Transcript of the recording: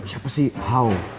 siapa sih how